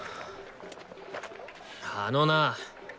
あのなあ！